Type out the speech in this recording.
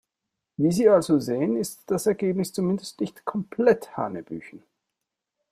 Wie Sie also sehen, ist das Ergebnis zumindest nicht komplett hanebüchen.